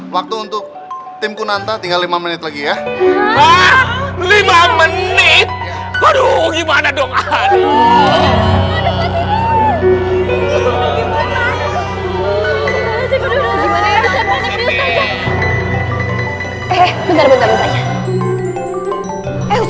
waktu untuk tim kunanta tinggal lima menit lagi ya lima menit waduh gimana dong